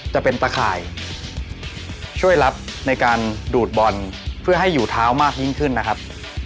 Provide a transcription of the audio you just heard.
จะเป็นตะข่ายช่วยรับในการดูดบอลเพื่อให้อยู่เท้ามากยิ่งขึ้นนะครับ